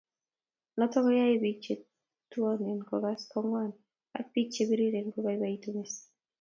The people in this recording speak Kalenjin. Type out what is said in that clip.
Notok koyae piik che tuone kokas ko ngwan ak piik che piriren kobaibaitu mising'